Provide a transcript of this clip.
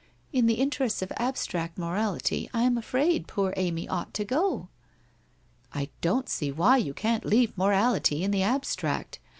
In the interests of abstract morality I am afraid poor Amy ought to go?' ' I don't see why you can't leave morality in the ab stract